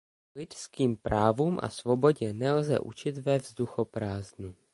Lidským právům a svobodě nelze učit ve vzduchoprázdnu.